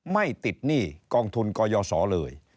ไม่ติดหนี้กองทุนกยศเลย